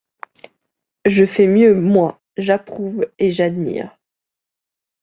Je fais mieux, moi, j’approuve et j’admire.